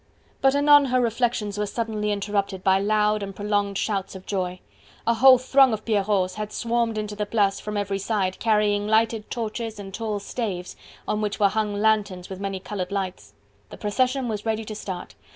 But anon her reflections were suddenly interrupted by loud and prolonged shouts of joy. A whole throng of Pierrots had swarmed into the Place from every side, carrying lighted torches and tall staves, on which were hung lanthorns with many coloured lights. The procession was ready to start.